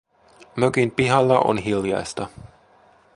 Mökin pihalla on hiljaista.